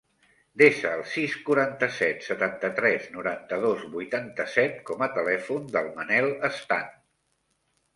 Desa el sis, quaranta-set, setanta-tres, noranta-dos, vuitanta-set com a telèfon del Manel Stan.